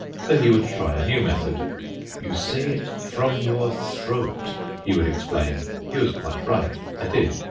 So he would try a new method. "You say it from your throat," he would explain. He was quite right; I did.